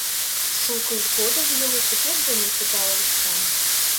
Шукыж годым велосипед дене кудалыштам.